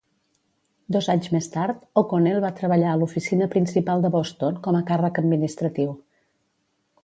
Dos anys més tard, O'Connell va treballar a l'oficina principal de Boston com a càrrec administratiu.